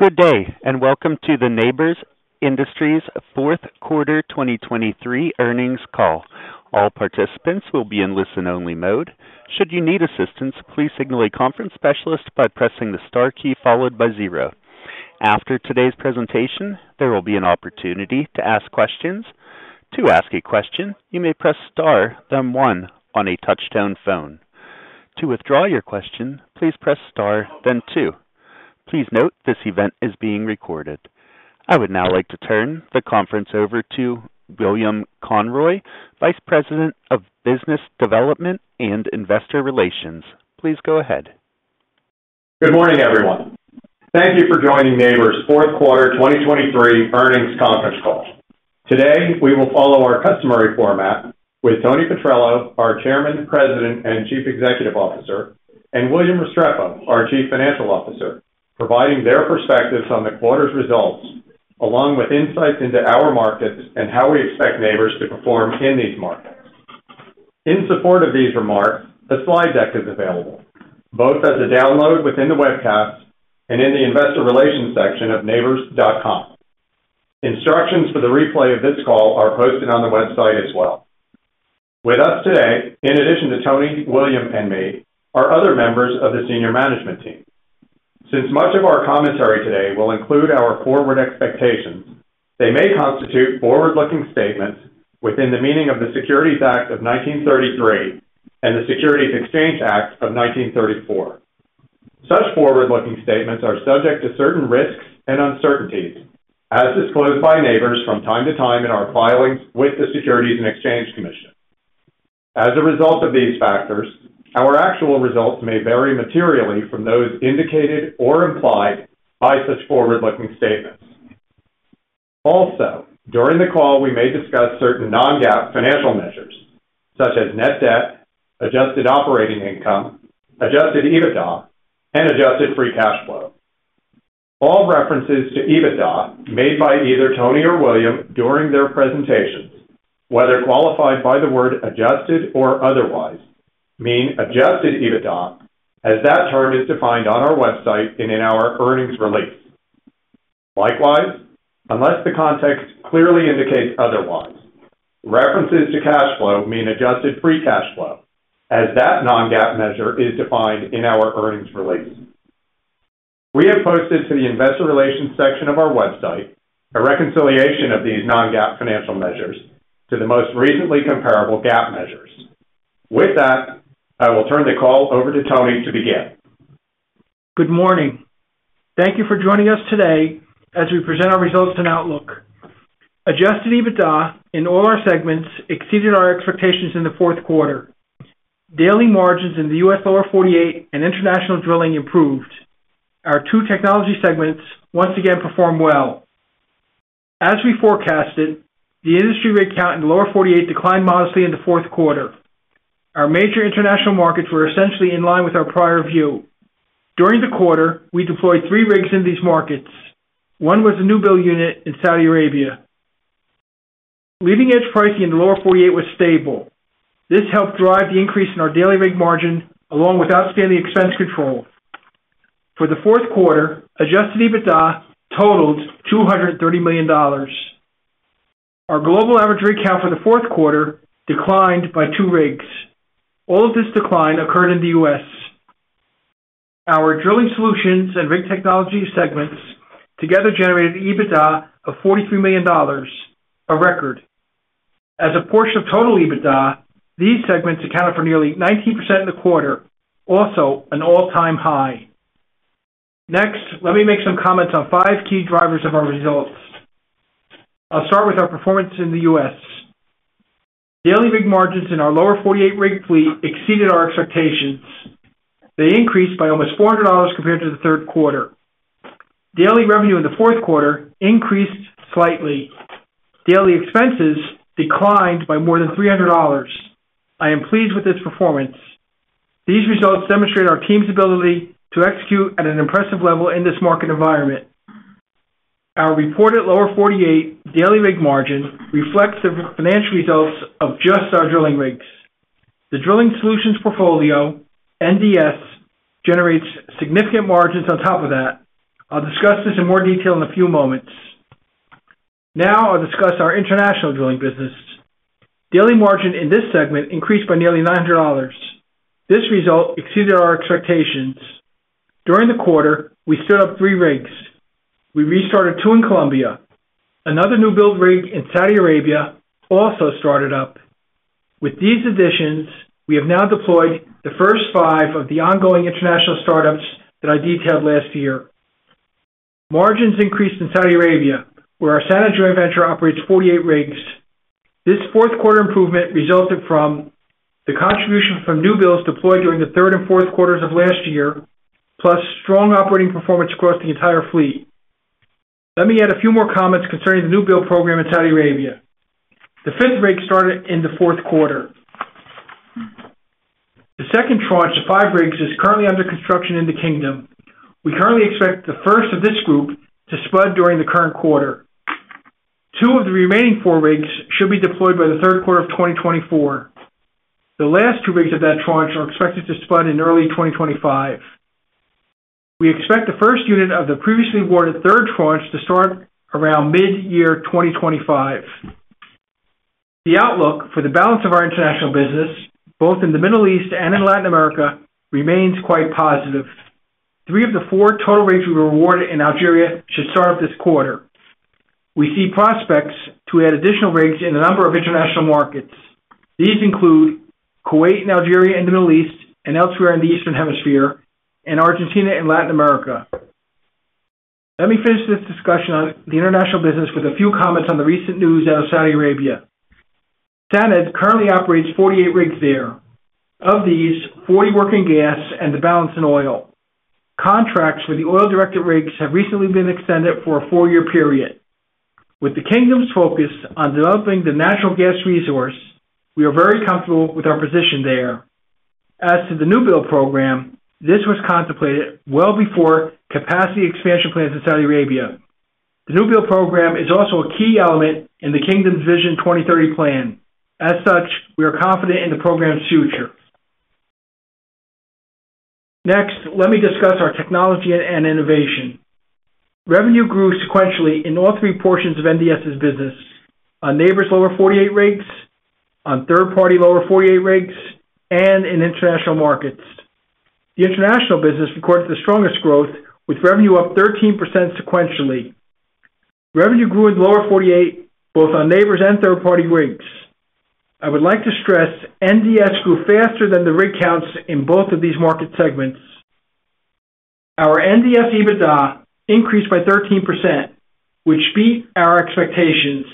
Good day, and welcome to the Nabors Industries Fourth Quarter 2023 Earnings Call. All participants will be in listen-only mode. Should you need assistance, please signal a conference specialist by pressing the star key followed by zero. After today's presentation, there will be an opportunity to ask questions. To ask a question, you may press star, then one on a touchtone phone. To withdraw your question, please press star, then two. Please note, this event is being recorded. I would now like to turn the conference over to William Conroy, Vice President of Business Development and Investor Relations. Please go ahead. Good morning, everyone. Thank you for joining Nabors' Fourth Quarter 2023 Earnings Conference Call. Today, we will follow our customary format with Tony Petrello, our Chairman, President, and Chief Executive Officer, and William Restrepo, our Chief Financial Officer, providing their perspectives on the quarter's results, along with insights into our markets and how we expect Nabors to perform in these markets. In support of these remarks, a slide deck is available, both as a download within the webcast and in the investor relations section of nabors.com. Instructions for the replay of this call are posted on the website as well. With us today, in addition to Tony, William, and me, are other members of the senior management team. Since much of our commentary today will include our forward expectations, they may constitute forward-looking statements within the meaning of the Securities Act of 1933 and the Securities Exchange Act of 1934. Such forward-looking statements are subject to certain risks and uncertainties, as disclosed by Nabors from time to time in our filings with the Securities and Exchange Commission. As a result of these factors, our actual results may vary materially from those indicated or implied by such forward-looking statements. Also, during the call, we may discuss certain non-GAAP financial measures, such as net debt, adjusted operating income, adjusted EBITDA, and adjusted free cash flow. All references to EBITDA made by either Tony or William during their presentations, whether qualified by the word adjusted or otherwise, mean adjusted EBITDA, as that term is defined on our website and in our earnings release. Likewise, unless the context clearly indicates otherwise, references to cash flow mean adjusted free cash flow, as that non-GAAP measure is defined in our earnings release. We have posted to the investor relations section of our website a reconciliation of these non-GAAP financial measures to the most recently comparable GAAP measures. With that, I will turn the call over to Tony to begin. Good morning. Thank you for joining us today as we present our results and outlook. Adjusted EBITDA in all our segments exceeded our expectations in the fourth quarter. Daily margins in the U.S. Lower 48 and international drilling improved. Our two technology segments once again performed well. As we forecasted, the industry rig count in the Lower 48 declined modestly in the fourth quarter. Our major international markets were essentially in line with our prior view. During the quarter, we deployed three rigs in these markets. One was a newbuild unit in Saudi Arabia. leading-edge pricing in the Lower 48 was stable. This helped drive the increase in our daily rig margin, along with outstanding expense control. For the fourth quarter, adjusted EBITDA totaled $230 million. Our global average rig count for the fourth quarter declined by two rigs. All of this decline occurred in the U.S. Our Drilling Solutions and rig technology segments together generated EBITDA of $43 million, a record. As a portion of total EBITDA, these segments accounted for nearly 19% in the quarter, also an all-time high. Next, let me make some comments on five key drivers of our results. I'll start with our performance in the U.S. Daily rig margins in our Lower 48 rig fleet exceeded our expectations. They increased by almost $400 compared to the third quarter. Daily revenue in the fourth quarter increased slightly. Daily expenses declined by more than $300. I am pleased with this performance. These results demonstrate our team's ability to execute at an impressive level in this market environment. Our reported Lower 48 daily rig margin reflects the financial results of just our drilling rigs. The Drilling Solutions portfolio, NDS, generates significant margins on top of that. I'll discuss this in more detail in a few moments. Now I'll discuss our international drilling business. Daily margin in this segment increased by nearly $900. This result exceeded our expectations. During the quarter, we stood up three rigs. We restarted two in Colombia. Another newbuild rig in Saudi Arabia also started up. With these additions, we have now deployed the first 5 of the ongoing international startups that I detailed last year. Margins increased in Saudi Arabia, where our Saudi joint venture operates 48 rigs. This fourth quarter improvement resulted from the contribution from newbuilds deployed during the third and fourth quarters of last year, plus strong operating performance across the entire fleet. Let me add a few more comments concerning the newbuild program in Saudi Arabia. The 5th rig started in the fourth quarter. The second tranche of five rigs is currently under construction in the kingdom. We currently expect the first of this group to spud during the current quarter. Two of the remaining four rigs should be deployed by the third quarter of 2024. The last two rigs of that tranche are expected to spud in early 2025. We expect the first unit of the previously awarded third tranche to start around mid-year 2025. The outlook for the balance of our international business, both in the Middle East and in Latin America, remains quite positive. Three of the four total rigs we were awarded in Algeria should start this quarter. We see prospects to add additional rigs in a number of international markets. These include Kuwait and Algeria in the Middle East and elsewhere in the Eastern Hemisphere, and Argentina in Latin America. Let me finish this discussion on the international business with a few comments on the recent news out of Saudi Arabia. SANAD currently operates 48 rigs there. Of these, 40 work in gas and the balance in oil. Contracts for the oil-directed rigs have recently been extended for a four-year period. With the kingdom's focus on developing the natural gas resource, we are very comfortable with our position there. As to the newbuild program, this was contemplated well before capacity expansion plans in Saudi Arabia. The newbuild program is also a key element in the Kingdom's Vision 2030 plan. As such, we are confident in the program's future. Next, let me discuss our technology and innovation. Revenue grew sequentially in all three portions of NDS's business: on Nabors' Lower 48 rigs, on third-party Lower 48 rigs, and in international markets. The international business recorded the strongest growth, with revenue up 13% sequentially. Revenue grew in Lower 48, both on Nabors and third-party rigs. I would like to stress NDS grew faster than the rig counts in both of these market segments. Our NDS EBITDA increased by 13%, which beat our expectations.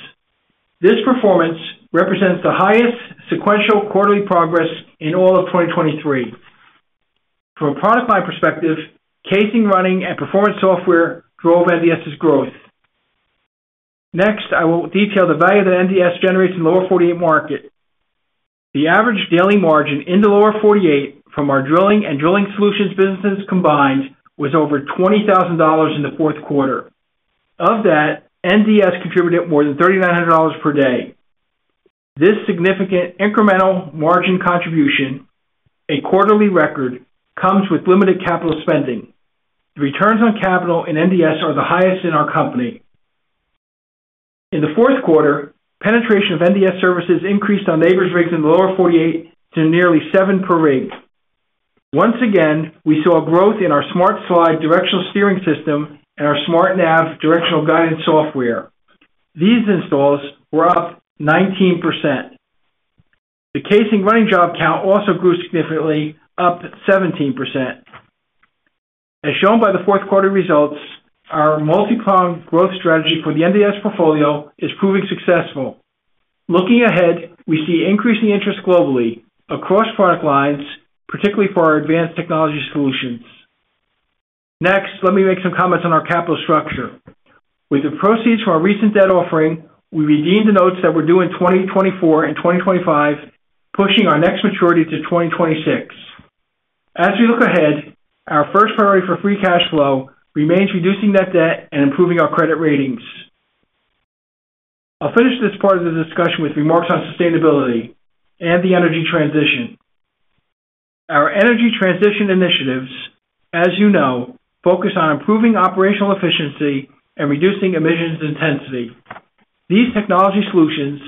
This performance represents the highest sequential quarterly progress in all of 2023. From a product line perspective, casing running, and performance software drove NDS's growth. Next, I will detail the value that NDS generates in Lower 48 market. The average daily margin in the Lower 48 from our drilling and Drilling Solutions businesses combined was over $20,000 in the fourth quarter. Of that, NDS contributed more than $3,900 per day. This significant incremental margin contribution, a quarterly record, comes with limited capital spending. The returns on capital in NDS are the highest in our company. In the fourth quarter, penetration of NDS services increased on Nabors' rigs in the Lower 48 to nearly seven per rig. Once again, we saw growth in our SmartSLIDE directional steering system and our SmartNAV directional guidance software. These installs were up 19%. The casing running job count also grew significantly, up 17%. As shown by the fourth quarter results, our multi-pronged growth strategy for the NDS portfolio is proving successful. Looking ahead, we see increasing interest globally across product lines, particularly for our advanced technology solutions. Next, let me make some comments on our capital structure. With the proceeds from our recent debt offering, we redeemed the notes that were due in 2024 and 2025, pushing our next maturity to 2026. As we look ahead, our first priority for free cash flow remains reducing that debt and improving our credit ratings. I'll finish this part of the discussion with remarks on sustainability and the energy transition. Our energy transition initiatives, as you know, focus on improving operational efficiency and reducing emissions intensity. These technology solutions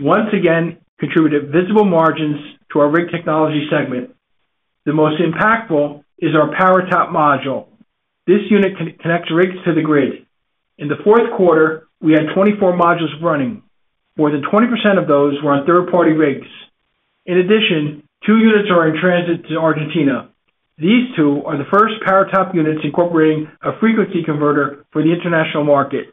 once again contributed visible margins to our rig technology segment. The most impactful is our PowerTAP module. This unit connects rigs to the grid. In the fourth quarter, we had 24 modules running. More than 20% of those were on third-party rigs. In addition, two units are in transit to Argentina. These two are the first PowerTAP units incorporating a frequency converter for the international market.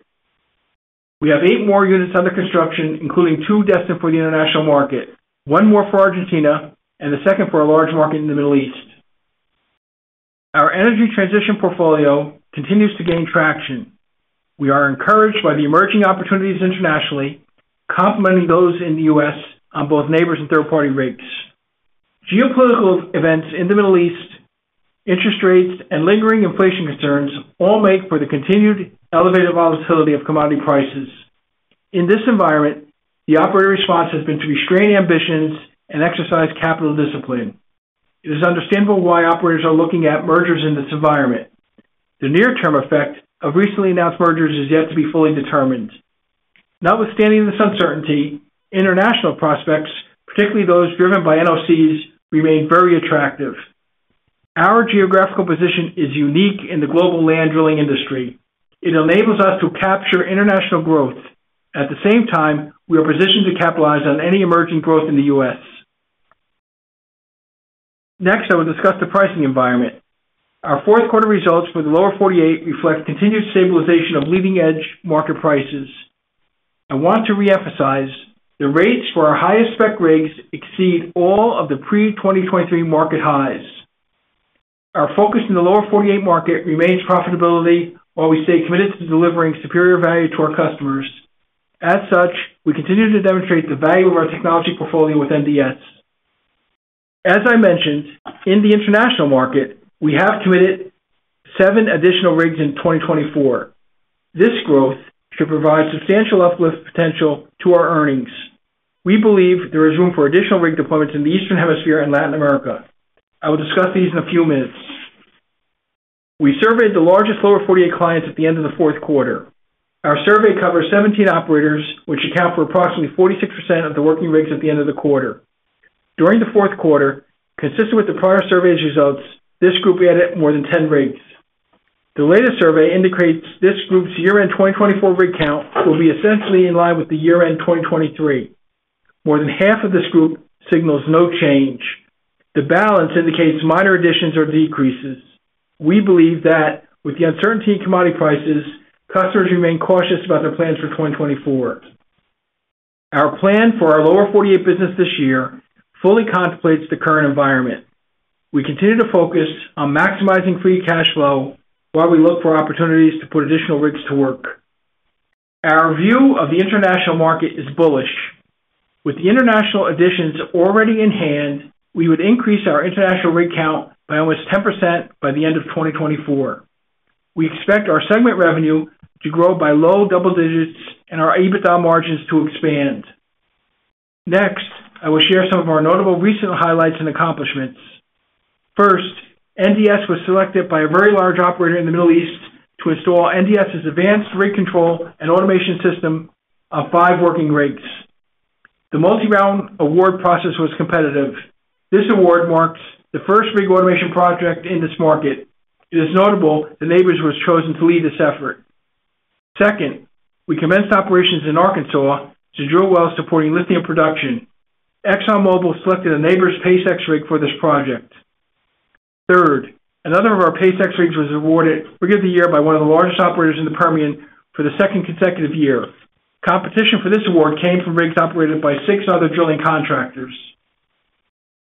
We have eight more units under construction, including two destined for the international market, one more for Argentina and the second for a large market in the Middle East. Our energy transition portfolio continues to gain traction. We are encouraged by the emerging opportunities internationally, complementing those in the U.S. on both Nabors and third-party rigs. Geopolitical events in the Middle East, interest rates, and lingering inflation concerns all make for the continued elevated volatility of commodity prices. In this environment, the operator response has been to restrain ambitions and exercise capital discipline. It is understandable why operators are looking at mergers in this environment. The near-term effect of recently announced mergers is yet to be fully determined. Notwithstanding this uncertainty, international prospects, particularly those driven by NOCs, remain very attractive. Our geographical position is unique in the global land drilling industry. It enables us to capture international growth. At the same time, we are positioned to capitalize on any emerging growth in the U.S. Next, I will discuss the pricing environment. Our fourth quarter results for the Lower 48 reflect continued stabilization of leading-edge market prices. I want to reemphasize, the rates for our highest spec rigs exceed all of the pre-2023 market highs. Our focus in the Lower 48 market remains profitability, while we stay committed to delivering superior value to our customers. As such, we continue to demonstrate the value of our technology portfolio with NDS. As I mentioned, in the international market, we have committed seven additional rigs in 2024. This growth should provide substantial uplift potential to our earnings. We believe there is room for additional rig deployments in the Eastern Hemisphere and Latin America. I will discuss these in a few minutes. We surveyed the largest Lower 48 clients at the end of the fourth quarter. Our survey covers 17 operators, which account for approximately 46% of the working rigs at the end of the quarter. During the fourth quarter, consistent with the prior survey's results, this group added more than 10 rigs. The latest survey indicates this group's year-end 2024 rig count will be essentially in line with the year-end 2023. More than half of this group signals no change. The balance indicates minor additions or decreases. We believe that with the uncertainty in commodity prices, customers remain cautious about their plans for 2024. Our plan for our Lower 48 business this year fully contemplates the current environment. We continue to focus on maximizing free cash flow while we look for opportunities to put additional rigs to work. Our view of the international market is bullish. With the international additions already in hand, we would increase our international rig count by almost 10% by the end of 2024. We expect our segment revenue to grow by low double digits and our EBITDA margins to expand. Next, I will share some of our notable recent highlights and accomplishments. First, NDS was selected by a very large operator in the Middle East to install NDS's advanced rig control and automation system on five working rigs. The multi-round award process was competitive. This award marks the first rig automation project in this market. It is notable that Nabors was chosen to lead this effort. Second, we commenced operations in Arkansas to drill wells supporting lithium production. ExxonMobil selected a Nabors PACE-X rig for this project. Third, another of our PACE-X rigs was awarded Rig of the Year by one of the largest operators in the Permian for the second consecutive year. Competition for this award came from rigs operated by six other drilling contractors.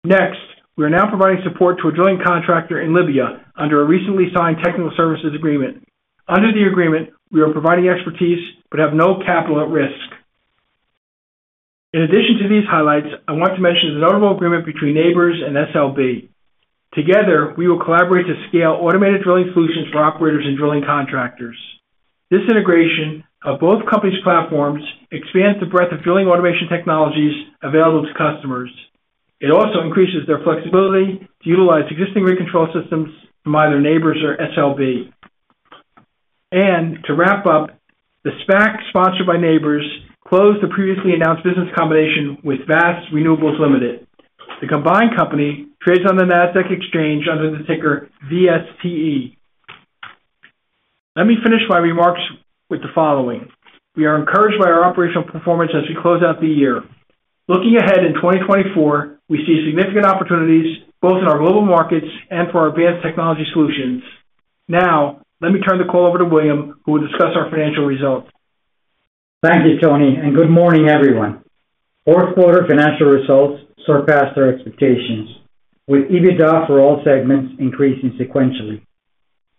Next, we are now providing support to a drilling contractor in Libya under a recently signed technical services agreement. Under the agreement, we are providing expertise but have no capital at risk. In addition to these highlights, I want to mention the notable agreement between Nabors and SLB. Together, we will collaborate to scale automated Drilling Solutions for operators and drilling contractors. This integration of both companies' platforms expands the breadth of drilling automation technologies available to customers. It also increases their flexibility to utilize existing rig control systems from either Nabors or SLB. To wrap up, the SPAC sponsored by Nabors closed the previously announced business combination with Vast Renewables Limited. The combined company trades on the Nasdaq Exchange under the ticker VSTE. Let me finish my remarks with the following: We are encouraged by our operational performance as we close out the year. Looking ahead in 2024, we see significant opportunities both in our global markets and for our advanced technology solutions. Now, let me turn the call over to William, who will discuss our financial results. Thank you, Tony, and good morning, everyone. Fourth quarter financial results surpassed our expectations, with EBITDA for all segments increasing sequentially.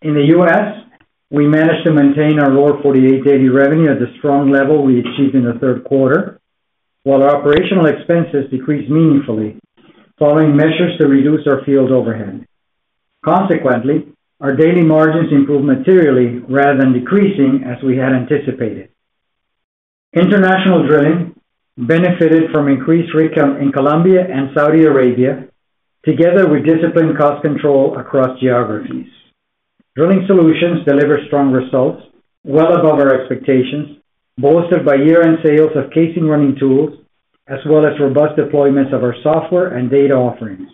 In the U.S., we managed to maintain our lower 48 daily revenue at the strong level we achieved in the third quarter, while our operational expenses decreased meaningfully, following measures to reduce our field overhead. Consequently, our daily margins improved materially rather than decreasing, as we had anticipated. International drilling benefited from increased rig count in Colombia and Saudi Arabia, together with disciplined cost control across geographies. Drilling Solutions delivered strong results well above our expectations, bolstered by year-end sales of casing running tools, as well as robust deployments of our software and data offerings.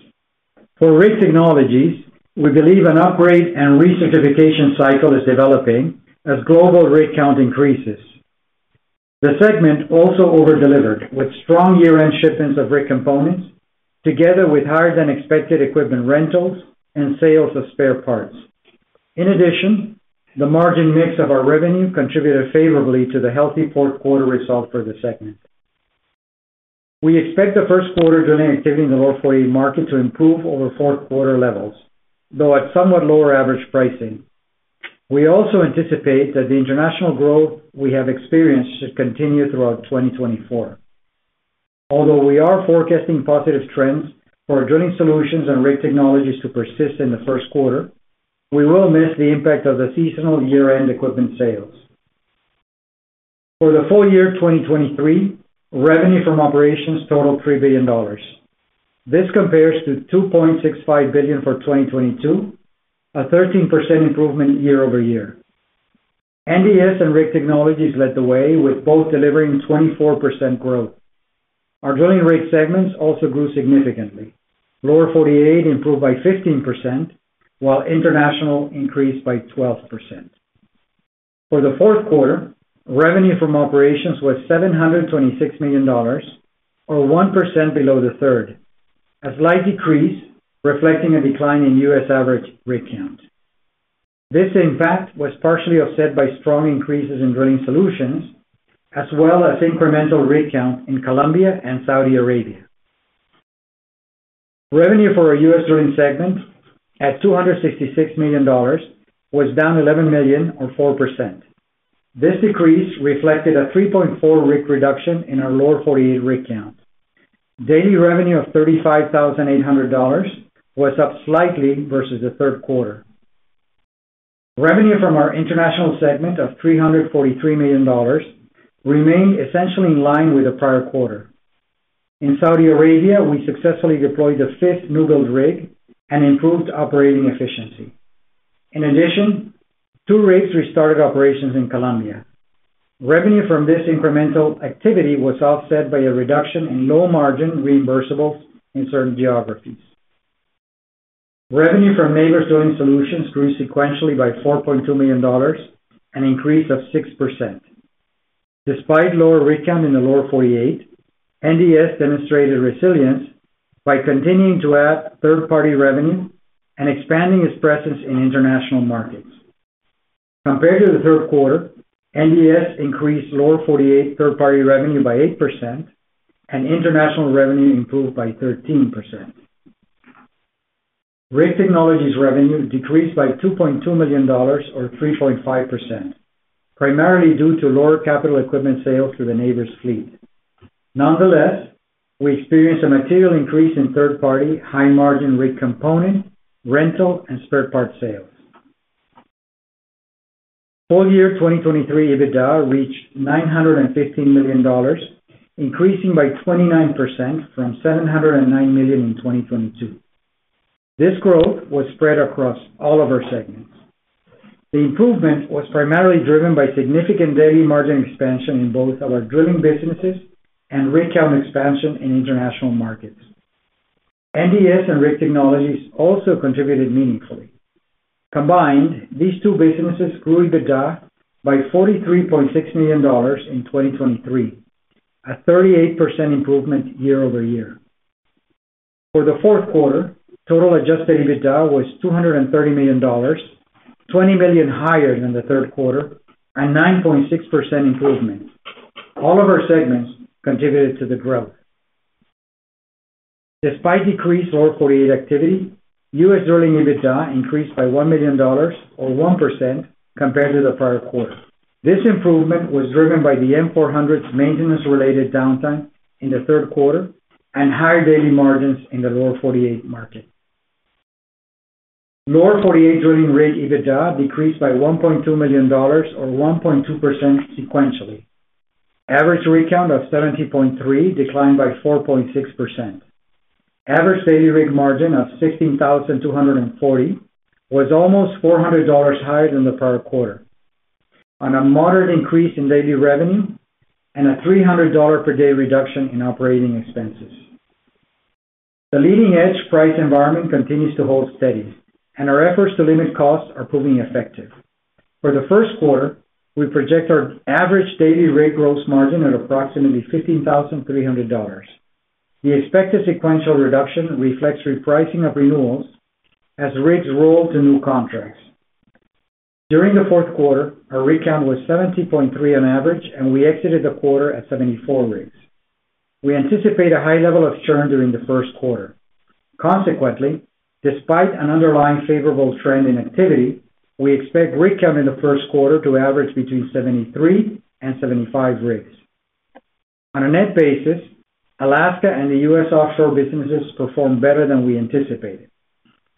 For rig technologies, we believe an upgrade and recertification cycle is developing as global rig count increases. The segment also over-delivered, with strong year-end shipments of rig components, together with higher-than-expected equipment rentals and sales of spare parts. In addition, the margin mix of our revenue contributed favorably to the healthy fourth quarter results for the segment. We expect the first quarter drilling activity in the Lower 48 market to improve over fourth quarter levels, though at somewhat lower average pricing. We also anticipate that the international growth we have experienced should continue throughout 2024. Although we are forecasting positive trends for our Drilling Solutions and rig technologies to persist in the first quarter, we will miss the impact of the seasonal year-end equipment sales. For the full year 2023, revenue from operations totaled $3 billion. This compares to $2.65 billion for 2022, a 13% improvement year-over-year. NDS and rig technologies led the way, with both delivering 24% growth. Our drilling rig segments also grew significantly. Lower 48 improved by 15%, while international increased by 12%. For the fourth quarter, revenue from operations was $726 million, or 1% below the third, a slight decrease, reflecting a decline in U.S. average rig count. This, in fact, was partially offset by strong increases in Drilling Solutions, as well as incremental rig count in Colombia and Saudi Arabia. Revenue for our U.S. drilling segment at $266 million, was down $11 million, or 4%. This decrease reflected a 3.4% rig reduction in our Lower 48 rig count. Daily revenue of $35,800 was up slightly versus the third quarter. Revenue from our international segment of $343 million remained essentially in line with the prior quarter. In Saudi Arabia, we successfully deployed the fifth newbuild rig and improved operating efficiency. In addition, two rigs restarted operations in Colombia. Revenue from this incremental activity was offset by a reduction in low margin reimbursables in certain geographies. Revenue from Nabors Drilling Solutions grew sequentially by $4.2 million, an increase of 6%. Despite lower rig count in the Lower 48, NDS demonstrated resilience by continuing to add third-party revenue and expanding its presence in international markets. Compared to the third quarter, NDS increased Lower 48 third-party revenue by 8% and international revenue improved by 13%. Rig technologies revenue decreased by $2.2 million or 3.5%, primarily due to lower capital equipment sales to the Nabors fleet. Nonetheless, we experienced a material increase in third-party, high margin rig component, rental, and spare parts sales. Full year 2023 EBITDA reached $915 million, increasing by 29% from $709 million in 2022. This growth was spread across all of our segments. The improvement was primarily driven by significant daily margin expansion in both our drilling businesses and rig count expansion in international markets. NDS and rig technologies also contributed meaningfully. Combined, these two businesses grew EBITDA by $43.6 million in 2023, a 38% improvement year-over-year. For the fourth quarter, total adjusted EBITDA was $230 million, $20 million higher than the third quarter, and 9.6% improvement. All of our segments contributed to the growth. Despite decreased Lower 48 activity, U.S. drilling EBITDA increased by $1 million, or 1% compared to the prior quarter. This improvement was driven by the M400's maintenance related downtime in the third quarter and higher daily margins in the Lower 48 market. Lower 48 drilling rig EBITDA decreased by $1.2 million, or 1.2% sequentially. Average rig count of 70.3 declined by 4.6%. Average daily rig margin of $16,240 was almost $400 higher than the prior quarter, on a moderate increase in daily revenue and a $300 per day reduction in operating expenses. The leading edge price environment continues to hold steady, and our efforts to limit costs are proving effective. For the first quarter, we project our average daily rig gross margin at approximately $15,300. The expected sequential reduction reflects repricing of renewals as rigs roll to new contracts. During the fourth quarter, our rig count was 70.3 on average, and we exited the quarter at 74 rigs. We anticipate a high level of churn during the first quarter. Consequently, despite an underlying favorable trend in activity, we expect rig count in the first quarter to average between 73 and 75 rigs. On a net basis, Alaska and the U.S. offshore businesses performed better than we anticipated.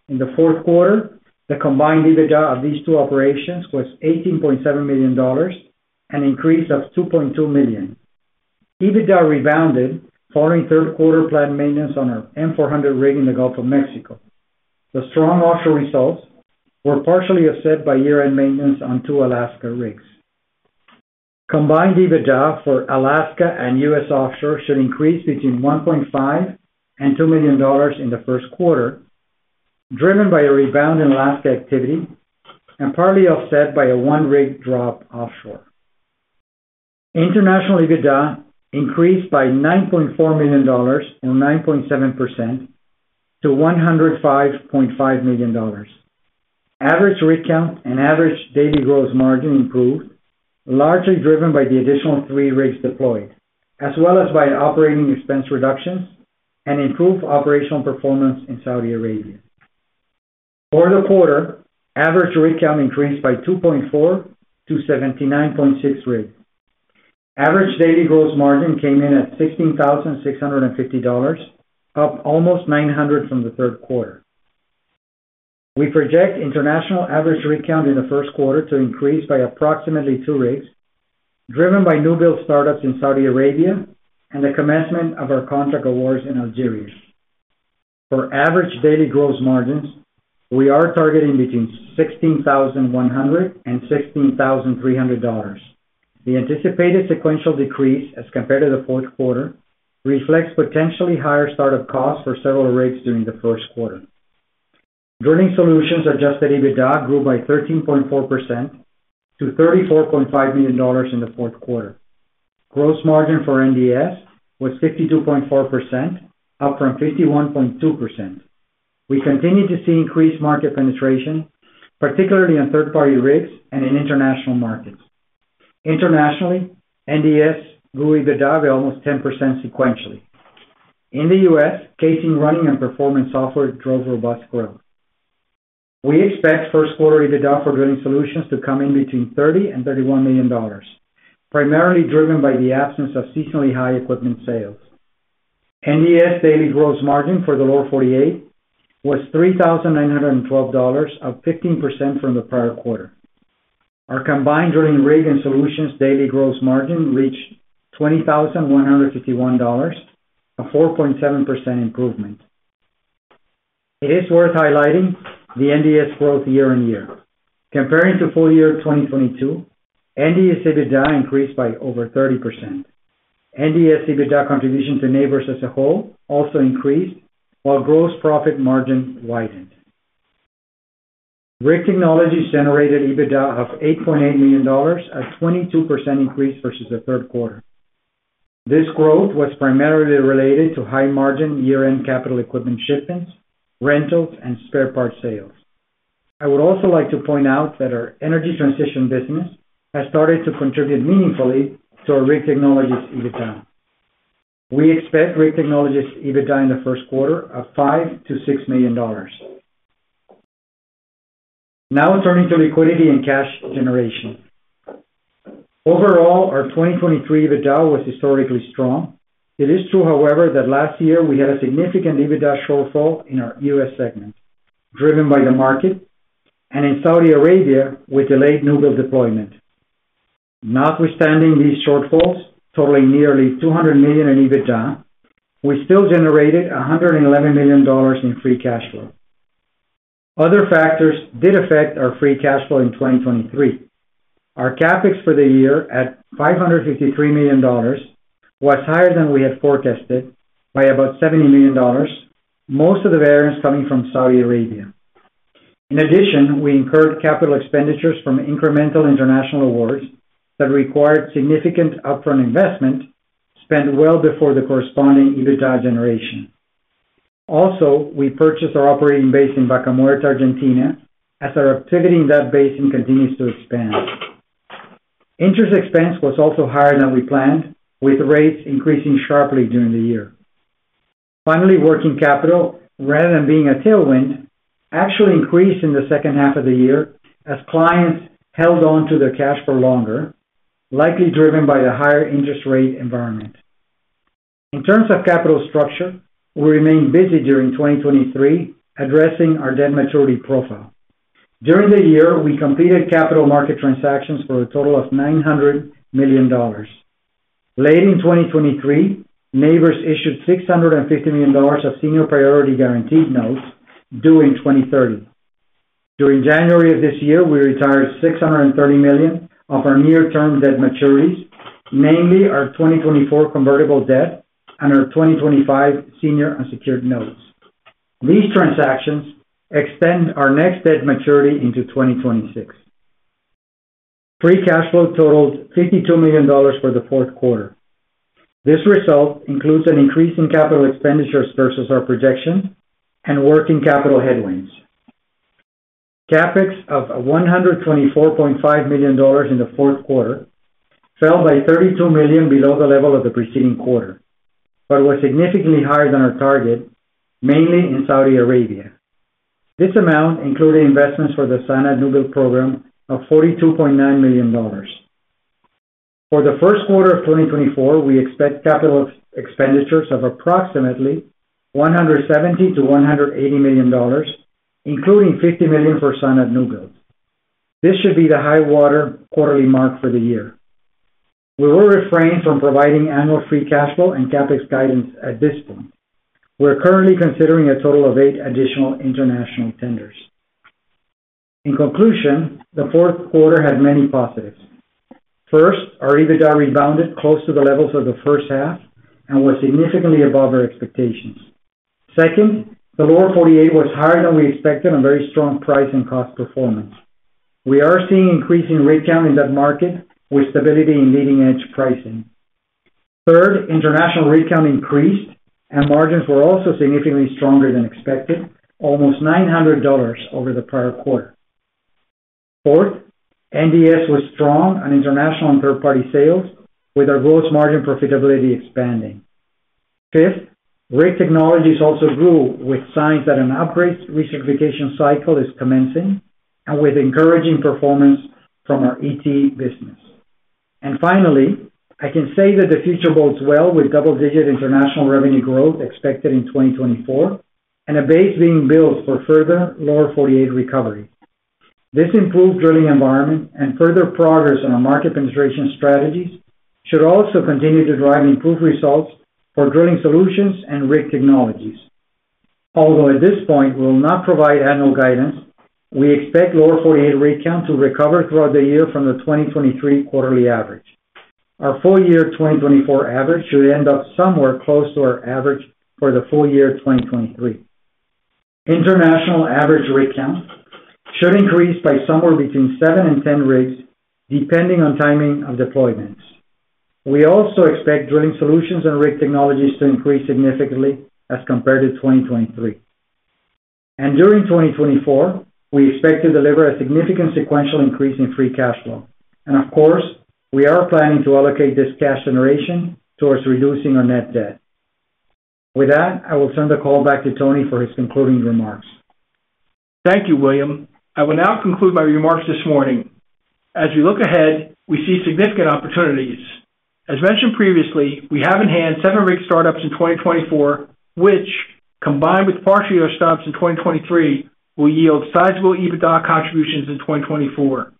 In the fourth quarter, the combined EBITDA of these two operations was $18.7 million, an increase of $2.2 million. EBITDA rebounded following third quarter planned maintenance on our M400 rig in the Gulf of Mexico. The strong offshore results were partially offset by year-end maintenance on two Alaska rigs. Combined EBITDA for Alaska and U.S. offshore should increase between $1.5 million and $2 million in the first quarter, driven by a rebound in Alaska activity and partly offset by a one rig drop offshore. International EBITDA increased by $9.4 million, or 9.7% to $105.5 million. Average rig count and average daily gross margin improved, largely driven by the additional three rigs deployed, as well as by operating expense reductions and improved operational performance in Saudi Arabia. For the quarter, average rig count increased by 2.4% to 79.6 rigs. Average daily gross margin came in at $16,650, up almost 900 from the third quarter. We project international average rig count in the first quarter to increase by approximately two rigs, driven by newbuild startups in Saudi Arabia and the commencement of our contract awards in Algeria. For average daily gross margins, we are targeting between $16,100 and $16,300. The anticipated sequential decrease as compared to the fourth quarter reflects potentially higher start of costs for several rigs during the first quarter. Drilling Solutions adjusted EBITDA grew by 13.4% to $34.5 million in the fourth quarter. Gross margin for NDS was 52.4%, up from 51.2%. We continue to see increased market penetration, particularly on third-party rigs and in international markets. Internationally, NDS grew EBITDA by almost 10% sequentially. In the U.S., casing running and performance software drove robust growth. We expect first quarter EBITDA for Drilling Solutions to come in between $30 million and $31 million, primarily driven by the absence of seasonally high equipment sales. NDS daily gross margin for the Lower 48 was $3,912, up 15% from the prior quarter. Our combined drilling rig and solutions daily gross margin reached $20,151, a 4.7% improvement. It is worth highlighting the NDS growth year-on-year. Comparing to full year 2022, NDS EBITDA increased by over 30%. NDS EBITDA contribution to Nabors as a whole also increased, while gross profit margin widened. Rig technologies generated EBITDA of $8.8 million, a 22% increase versus the third quarter. This growth was primarily related to high margin year-end capital equipment shipments, rentals, and spare parts sales. I would also like to point out that our energy transition business has started to contribute meaningfully to our rig technologies EBITDA. We expect rig technologies EBITDA in the first quarter of $5 million-$6 million. Now turning to liquidity and cash generation. Overall, our 2023 EBITDA was historically strong. It is true, however, that last year we had a significant EBITDA shortfall in our U.S. segment, driven by the market, and in Saudi Arabia, with delayed new bulid deployment. Notwithstanding these shortfalls, totaling nearly $200 million in EBITDA, we still generated $111 million in free cash flow. Other factors did affect our free cash flow in 2023. Our CapEx for the year, at $553 million, was higher than we had forecasted by about $70 million, most of the variance coming from Saudi Arabia. In addition, we incurred capital expenditures from incremental international awards that required significant upfront investment spent well before the corresponding EBITDA generation. Also, we purchased our operating base in Vaca Muerta, Argentina, as our activity in that basin continues to expand. Interest expense was also higher than we planned, with rates increasing sharply during the year. Finally, working capital, rather than being a tailwind, actually increased in the second half of the year as clients held on to their cash for longer, likely driven by the higher interest rate environment. In terms of capital structure, we remained busy during 2023, addressing our debt maturity profile. During the year, we completed capital market transactions for a total of $900 million. Late in 2023, Nabors issued $650 million of senior priority guaranteed notes due in 2030. During January of this year, we retired $630 million of our near-term debt maturities, mainly our 2024 convertible debt and our 2025 senior unsecured notes. These transactions extend our next debt maturity into 2026. Free cash flow totaled $52 million for the fourth quarter. This result includes an increase in capital expenditures versus our projection and working capital headwinds. CapEx of $124.5 million in the fourth quarter fell by $32 million below the level of the preceding quarter, but was significantly higher than our target, mainly in Saudi Arabia. This amount included investments for the SANAD new bulid program of $42.9 million. For the first quarter of 2024, we expect capital expenditures of approximately $170 million-$180 million, including $50 million for SANAD new bulid. This should be the high water quarterly mark for the year. We will refrain from providing annual free cash flow and CapEx guidance at this point. We're currently considering a total of eight additional international tenders. In conclusion, the fourth quarter had many positives. First, our EBITDA rebounded close to the levels of the first half and was significantly above our expectations. Second, the Lower 48 was higher than we expected on very strong price and cost performance. We are seeing increasing rig count in that market with stability in leading-edge pricing. Third, international rig count increased and margins were also significantly stronger than expected, almost $900 over the prior quarter. Fourth, NDS was strong on international and third-party sales, with our gross margin profitability expanding. Fifth, rig technologies also grew with signs that an upgrade recertification cycle is commencing and with encouraging performance from our ET business. Finally, I can say that the future bodes well with double-digit international revenue growth expected in 2024 and a base being built for further Lower 48 recovery. This improved drilling environment and further progress on our market penetration strategies should also continue to drive improved results for Drilling Solutions and rig technologies. Although at this point, we'll not provide annual guidance, we expect Lower 48 rig count to recover throughout the year from the 2023 quarterly average. Our full year 2024 average should end up somewhere close to our average for the full year 2023. International average rig count should increase by somewhere between seven and 10 rigs, depending on timing of deployments. We also expect Drilling Solutions and rig technologies to increase significantly as compared to 2023. During 2024, we expect to deliver a significant sequential increase in free cash flow. Of course, we are planning to allocate this cash generation towards reducing our net debt. With that, I will send the call back to Tony for his concluding remarks. Thank you, William. I will now conclude my remarks this morning. As we look ahead, we see significant opportunities. As mentioned previously, we have in hand seven rig startups in 2024, which, combined with partial year stops in 2023, will yield sizable EBITDA contributions in 2024.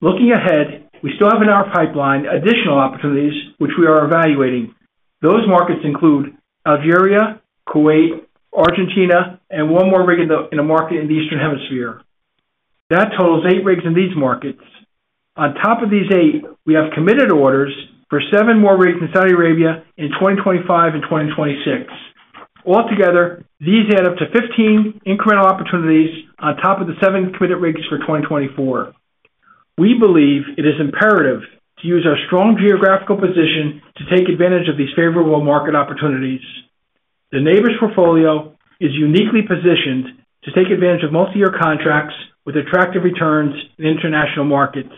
Looking ahead, we still have in our pipeline additional opportunities, which we are evaluating. Those markets include Algeria, Kuwait, Argentina, and one more rig in a market in the Eastern Hemisphere. That totals eight rigs in these markets. On top of these eight, we have committed orders for seven more rigs in Saudi Arabia in 2025 and 2026. Altogether, these add up to 15 incremental opportunities on top of the seven committed rigs for 2024. We believe it is imperative to use our strong geographical position to take advantage of these favorable market opportunities. The Nabors portfolio is uniquely positioned to take advantage of multi-year contracts with attractive returns in international markets.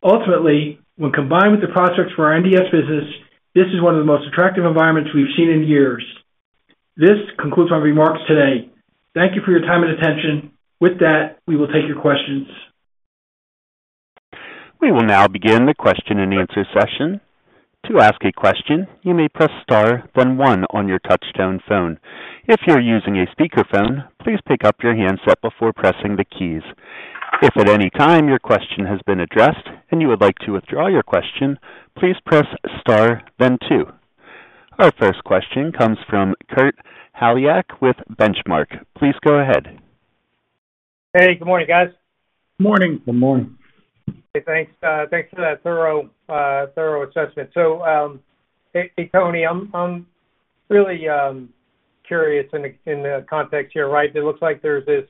Ultimately, when combined with the prospects for our NDS business, this is one of the most attractive environments we've seen in years. This concludes my remarks today. Thank you for your time and attention. With that, we will take your questions. We will now begin the question-and-answer session. To ask a question, you may press star, then one on your touchtone phone. If you're using a speakerphone, please pick up your handset before pressing the keys. If at any time your question has been addressed and you would like to withdraw your question, please press star then two. Our first question comes from Kurt Hallead with Benchmark. Please go ahead. Hey, good morning, guys. Morning! Good morning. Thanks, thanks for that thorough assessment. So, hey, Tony, I'm really curious in the context here, right? It looks like there's this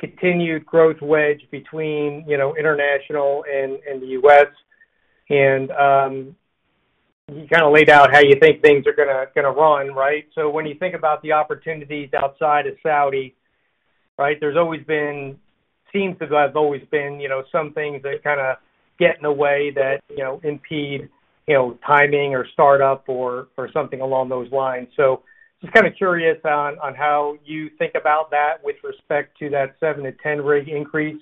continued growth wedge between, you know, international and the U.S. And, you kind of laid out how you think things are gonna run, right? So when you think about the opportunities outside of Saudi, right, there's always been, seems as I've always been, you know, some things that kind of get in the way that, you know, impede, you know, timing or startup or something along those lines. So just kind of curious on how you think about that with respect to that seven to 10 rig increase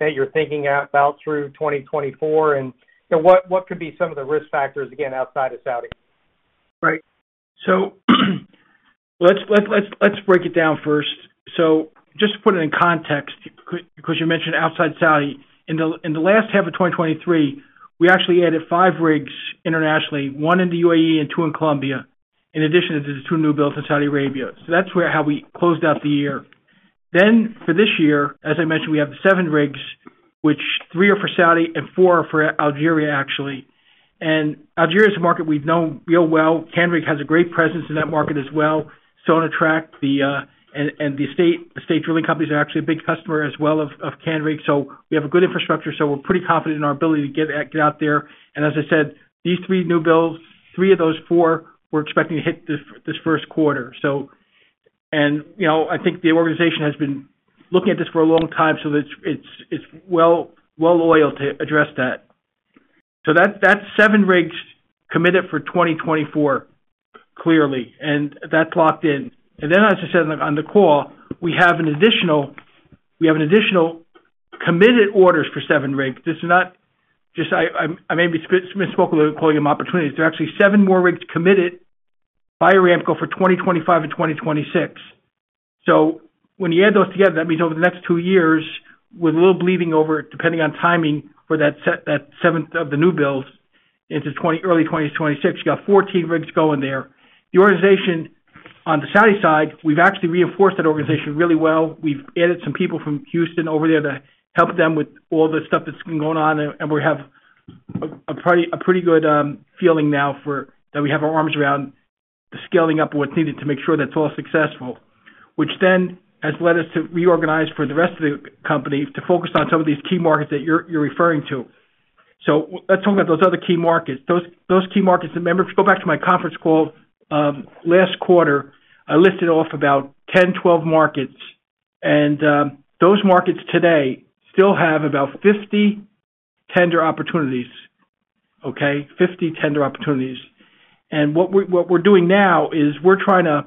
that you're thinking out about through 2024, and what could be some of the risk factors, again, outside of Saudi? Right. So let's break it down first. So just to put it in context, because you mentioned outside Saudi, in the last half of 2023, we actually added five rigs internationally, one in the UAE and two in Colombia, in addition to the two newbuilds in Saudi Arabia. So that's where, how we closed out the year. Then for this year, as I mentioned, we have seven rigs, which three are for Saudi and four are for Algeria, actually. And Algeria is a market we've known real well. Canrig has a great presence in that market as well. Sonatrach and the state drilling companies are actually a big customer as well of Canrig. So we have a good infrastructure, so we're pretty confident in our ability to get out there. As I said, these three newbuilds, three of those four, we're expecting to hit this first quarter. You know, I think the organization has been looking at this for a long time, so it's well oiled to address that. So that's seven rigs committed for 2024, clearly, and that's locked in. And then, as I said on the call, we have an additional committed orders for seven rigs. This is not, just, I maybe misspoke when calling them opportunities. There are actually seven more rigs committed by Aramco for 2025 and 2026. So when you add those together, that means over the next two years, with a little bleeding over, depending on timing for that set, that seventh of the newbuilds into 2025, early 2026, you got 14 rigs going there. The organization on the Saudi side, we've actually reinforced that organization really well. We've added some people from Houston over there to help them with all the stuff that's been going on, and we have a pretty good feeling now that we have our arms around the scaling up of what's needed to make sure that's all successful, which then has led us to reorganize for the rest of the company to focus on some of these key markets that you're referring to. So let's talk about those other key markets. Those key markets, and remember, if you go back to my conference call last quarter, I listed off about 10, 12 markets, and those markets today still have about 50 tender opportunities, okay? 50 tender opportunities. What we're doing now is we're trying to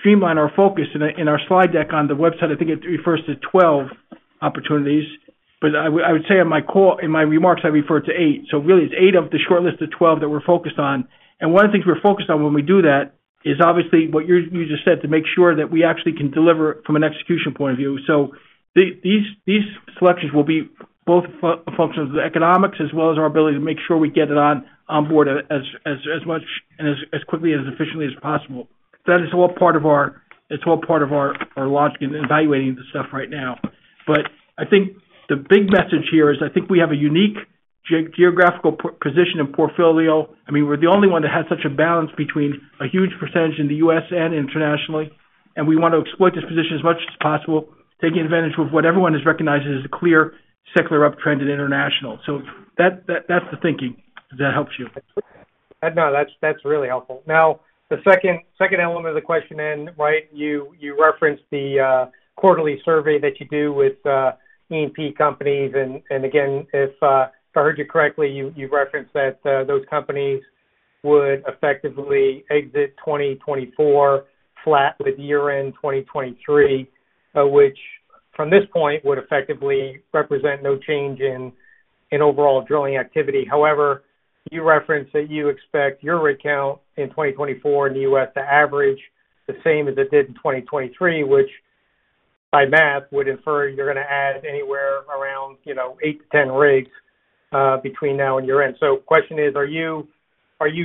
streamline our focus. In our slide deck on the website, I think it refers to 12 opportunities, but I would say in my call, in my remarks, I referred to eight. So really, it's eight of the shortlist of 12 that we're focused on. One of the things we're focused on when we do that is obviously what you just said, to make sure that we actually can deliver from an execution point of view. So these selections will be both functions of the economics as well as our ability to make sure we get it on board as much and as quickly and as efficiently as possible. That is all part of our logic in evaluating this stuff right now. But I think the big message here is, I think we have a unique geographical position and portfolio. I mean, we're the only one that has such a balance between a huge percentage in the U.S. and internationally, and we want to exploit this position as much as possible, taking advantage of what everyone has recognized as a clear secular uptrend in international. So that's the thinking. Does that helps you? No, that's really helpful. Now, the second element of the question then, right, you referenced the quarterly survey that you do with E&P companies. And again, if I heard you correctly, you referenced that those companies would effectively exit 2024 flat with year-end 2023, which from this point, would effectively represent no change in overall drilling activity. However, you referenced that you expect your rig count in 2024 in the U.S. to average the same as it did in 2023, which by math, would infer you're gonna add anywhere around, you know, eight to 10 rigs between now and year-end. So the question is, are you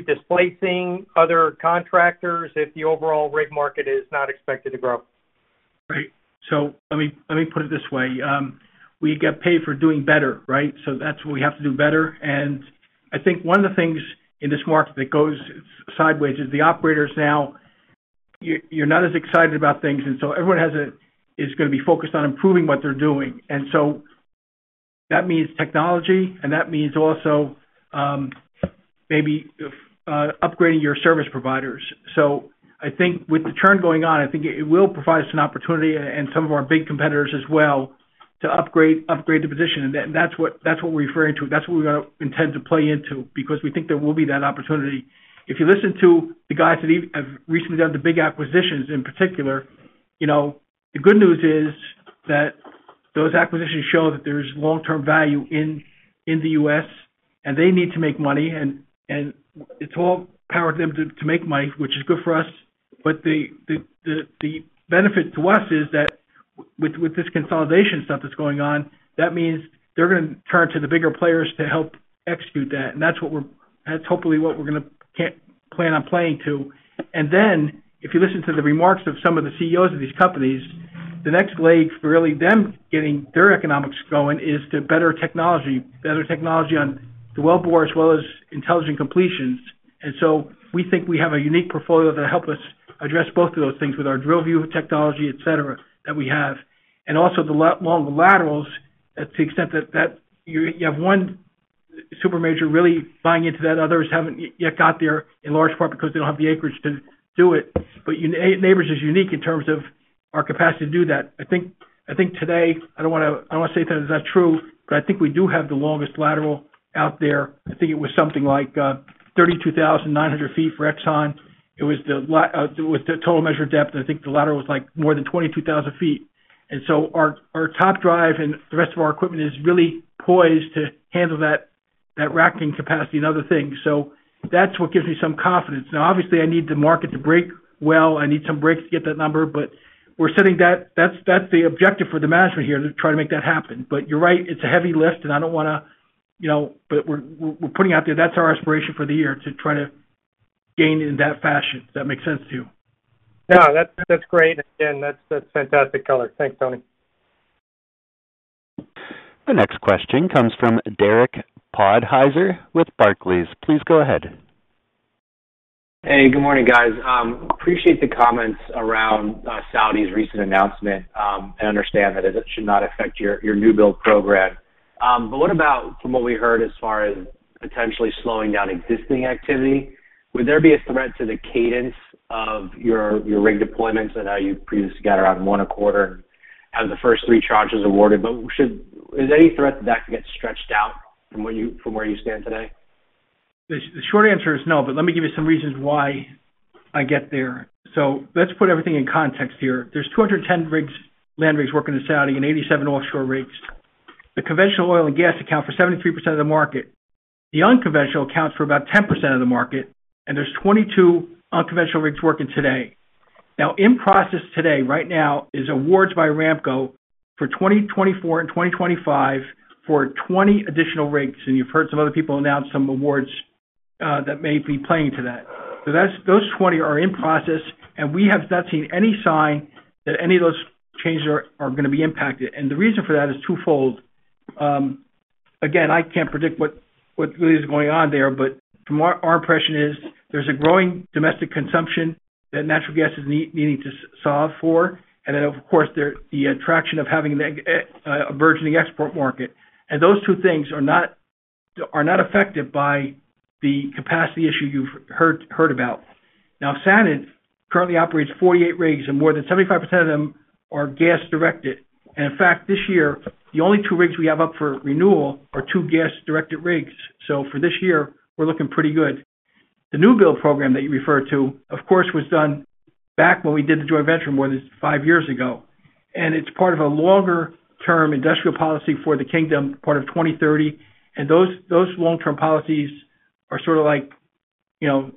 displacing other contractors if the overall rig market is not expected to grow? Right. So let me, let me put it this way. We get paid for doing better, right? So that's what we have to do better. And I think one of the things in this market that goes sideways is the operators now, you're, you're not as excited about things, and so everyone is gonna be focused on improving what they're doing. And so that means technology, and that means also, maybe, upgrading your service providers. So I think with the turn going on, I think it, it will provide us an opportunity and some of our big competitors as well, to upgrade, upgrade the position. And that's what, that's what we're referring to. That's what we're gonna intend to play into because we think there will be that opportunity. If you listen to the guys that have recently done the big acquisitions in particular, you know, the good news is that those acquisitions show that there's long-term value in the U.S., and they need to make money, and it's all power to them to make money, which is good for us. But the benefit to us is that with this consolidation stuff that's going on, that means they're gonna turn to the bigger players to help execute that, and that's what we're, that's hopefully what we're gonna plan on playing to. And then, if you listen to the remarks of some of the CEOs of these companies, the next leg for really them getting their economics going is to better technology, better technology on the wellbore, as well as intelligent completions. So we think we have a unique portfolio that will help us address both of those things with our DrillView technology, et cetera, that we have. And also the longer laterals, to the extent that you have one super major really buying into that. Others haven't yet got there, in large part because they don't have the acreage to do it. But, you know, Nabors is unique in terms of our capacity to do that. I think, I think today, I don't wanna, I don't wanna say that is not true, but I think we do have the longest lateral out there. I think it was something like 32,900 ft for Exxon. It was the total measured depth, and I think the lateral was, like, more than 22,000 ft. And so our top drive and the rest of our equipment is really poised to handle that racking capacity and other things. So that's what gives me some confidence. Now, obviously, I need the market to break well. I need some breaks to get that number, but we're setting that. That's the objective for the management here, to try to make that happen. But you're right, it's a heavy lift, and I don't wanna, you know. But we're putting out there, that's our aspiration for the year, to try to gain in that fashion. Does that make sense to you? Yeah, that's, that's great. Again, that's, that's fantastic color. Thanks, Tony. The next question comes from Derek Podhaizer with Barclays. Please go ahead. Hey, good morning, guys. Appreciate the comments around Saudi's recent announcement, and understand that it should not affect your newbuild program. But what about from what we heard as far as potentially slowing down existing activity? Would there be a threat to the cadence of your rig deployments and how you previously got around one a quarter, out of the first three charters awarded? Is there any threat to that to get stretched out from where you stand today? The short answer is no, but let me give you some reasons why I get there. So let's put everything in context here. There's 210 land rigs working in Saudi and 87 offshore rigs. The conventional oil and gas account for 73% of the market. The unconventional accounts for about 10% of the market, and there's 22 unconventional rigs working today. Now, in process today, right now, is awards by Aramco for 2024 and 2025 for 20 additional rigs, and you've heard some other people announce some awards, that may be playing to that. So that's those 20 are in process, and we have not seen any sign that any of those changes are gonna be impacted. And the reason for that is twofold. Again, I can't predict what really is going on there, but from what our impression is, there's a growing domestic consumption that natural gas is needing to solve for. And then, of course, there, the attraction of having a burgeoning export market. And those two things are not affected by the capacity issue you've heard about. Now, SANAD currently operates 48 rigs, and more than 75% of them are gas-directed. And in fact, this year, the only two rigs we have up for renewal are two gas-directed rigs. So for this year, we're looking pretty good. The newbuild program that you referred to, of course, was done back when we did the joint venture more than five years ago, and it's part of a longer-term industrial policy for the kingdom, part of 2030. Those long-term policies are sort of like, you know,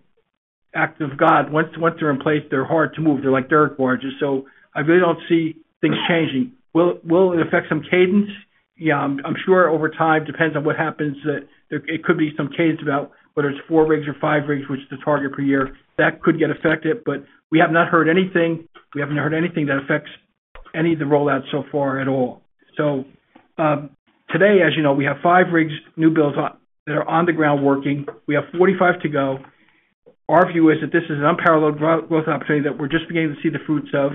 act of God. Once they're in place, they're hard to move. They're like dirt barges, so I really don't see things changing. Will it affect some cadence? Yeah, I'm sure over time, depends on what happens, that there, it could be some cadence about whether it's four rigs or five rigs, which is the target per year. That could get affected, but we have not heard anything, we haven't heard anything that affects any of the rollouts so far at all. So, today, as you know, we have five rigs, newbuilds on, that are on the ground working. We have 45 to go. Our view is that this is an unparalleled growth opportunity that we're just beginning to see the fruits of,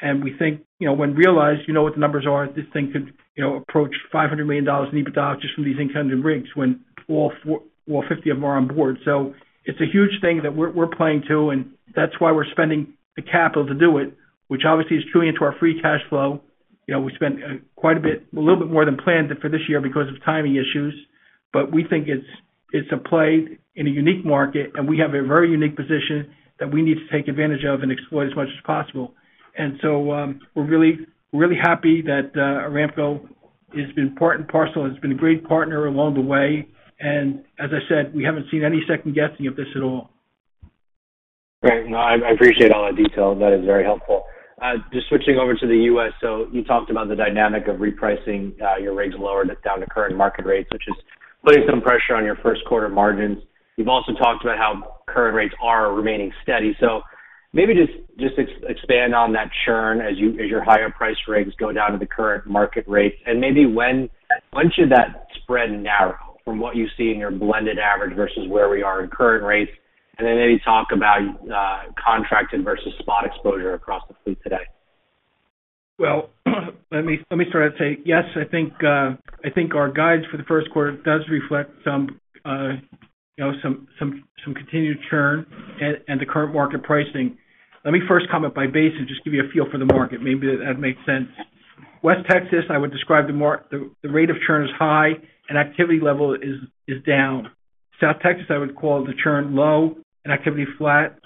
and we think, you know, when realized, you know what the numbers are, this thing could, you know, approach $500 million in EBITDA just from these incumbent rigs when all four, all 50 of them are on board. So it's a huge thing that we're, we're playing to, and that's why we're spending the capital to do it, which obviously is true into our free cash flow. You know, we spent quite a bit, a little bit more than planned for this year because of timing issues. But we think it's a play in a unique market, and we have a very unique position that we need to take advantage of and exploit as much as possible. And so, we're really, really happy that Aramco has been part and parcel, has been a great partner along the way, and as I said, we haven't seen any second-guessing of this at all. Great. No, I appreciate all that detail. That is very helpful. Just switching over to the U.S. So you talked about the dynamic of repricing your rigs lower down to current market rates, which is putting some pressure on your first quarter margins. You've also talked about how current rates are remaining steady. So maybe just expand on that churn as your higher priced rigs go down to the current market rates, and maybe when should that spread narrow from what you see in your blended average versus where we are in current rates? And then maybe talk about contracted versus spot exposure across the fleet today. Well, let me start out by saying, yes, I think, I think our guides for the first quarter does reflect some, you know, some continued churn and the current market pricing. Let me first comment by basin and just give you a feel for the market. Maybe that makes sense. West Texas, I would describe the market the rate of churn as high and activity level is down. South Texas, I would call the churn low and activity flat.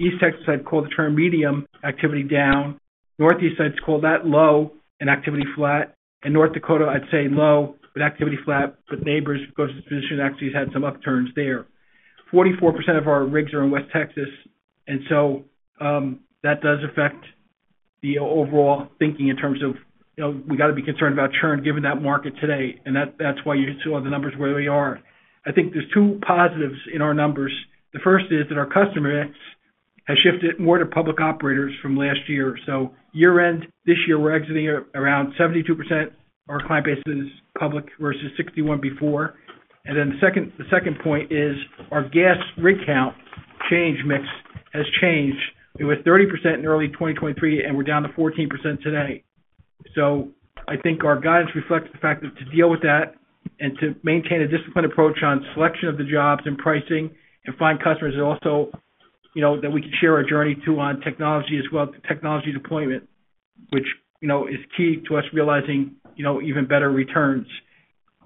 East Texas, I'd call the churn medium, activity down. Northeast, I'd call that low and activity flat. And North Dakota, I'd say low with activity flat, but Nabors, of course, the position actually has had some upturns there. 44% of our rigs are in West Texas, and so, that does affect the overall thinking in terms of, you know, we gotta be concerned about churn, given that market today, and that's why you saw the numbers where they are. I think there's two positives in our numbers. The first is that our customer mix has shifted more to public operators from last year. So year end, this year, we're exiting around 72%. Our client base is public versus 61% before. And then the second, the second point is our gas rig count change mix has changed. It was 30% in early 2023, and we're down to 14% today. So I think our guidance reflects the fact that to deal with that and to maintain a disciplined approach on selection of the jobs and pricing and find customers that also, you know, that we can share our journey to on technology as well, technology deployment, which, you know, is key to us realizing, you know, even better returns.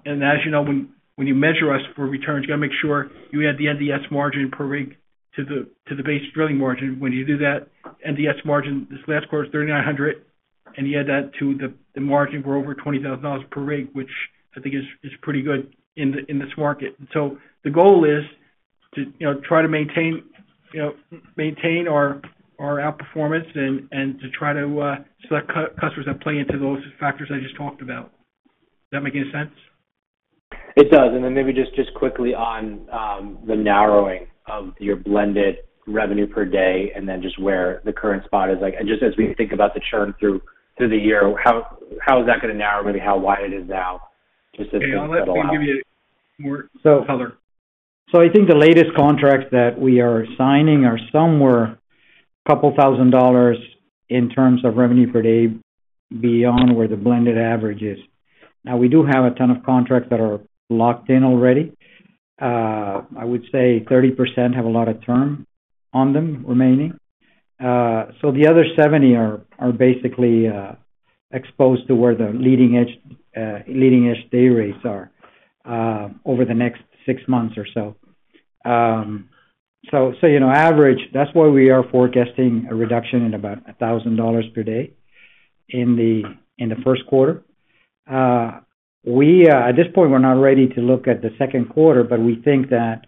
And as you know, when, when you measure us for returns, you gotta make sure you add the NDS margin per rig to the, to the base drilling margin. When you do that, NDS margin this last quarter is $3,900, and you add that to the, the margin, we're over $20,000 per rig, which I think is, is pretty good in, in this market. The goal is to, you know, try to maintain our outperformance and to try to select customers that play into those factors I just talked about. Does that make any sense? It does. And then maybe just quickly on the narrowing of your blended revenue per day, and then just where the current spot is like, and just as we think about the churn through the year, how is that gonna narrow, maybe how wide it is now, just to. I'll let William give you more color. So I think the latest contracts that we are signing are somewhere $2,000 in terms of revenue per day beyond where the blended average is. Now, we do have a ton of contracts that are locked in already. I would say 30% have a lot of term on them remaining. So the other 70% are basically exposed to where the leading-edge day rates are over the next six months or so. You know, on average, that's why we are forecasting a reduction in about $1,000 per day in the first quarter. At this point, we're not ready to look at the second quarter, but we think that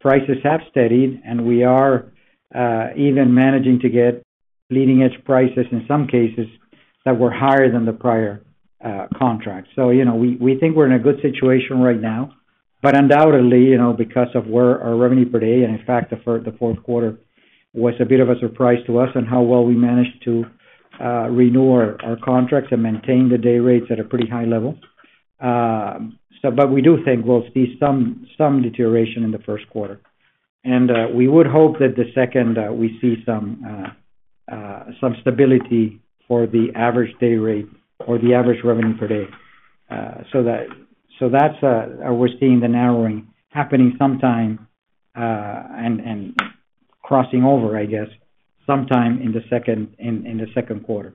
prices have steadied, and we are even managing to get leading-edge prices in some cases that were higher than the prior contract. So, you know, we, we think we're in a good situation right now, but undoubtedly, you know, because of where our revenue per day and in fact, the fourth quarter was a bit of a surprise to us on how well we managed to renew our, our contracts and maintain the day rates at a pretty high level. So, but we do think we'll see some, some deterioration in the first quarter. And, we would hope that the second, we see some, some stability for the average day rate or the average revenue per day. So that, so that's, we're seeing the narrowing happening sometime, and, and crossing over, I guess, sometime in the second, in, in the second quarter.